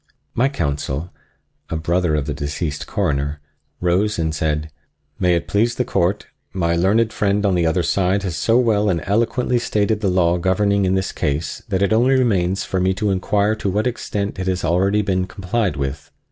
My counsel, a brother of the deceased Coroner, rose and said: "May it please the Court, my learned friend on the other side has so well and eloquently stated the law governing in this case that it only remains for me to inquire to what extent it has been already complied with.